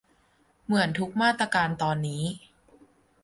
เหมือนทุกมาตราการตอนนี้